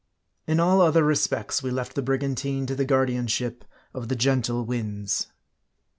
In all other respects we left the brigantine to the guardianship of the gentle winds.